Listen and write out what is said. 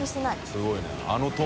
すごいね。